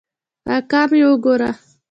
اکا مې وګوره.